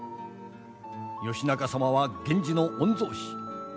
義仲様は源氏の御曹司。